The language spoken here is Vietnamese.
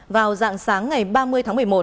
vào dạng sáng ngày ba mươi tháng một mươi một